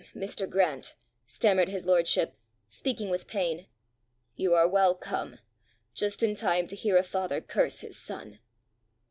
"Mr. Grant," stammered his lordship, speaking with pain, "you are well come! just in time to hear a father curse his son!"